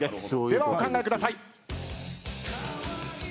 ではお考えください。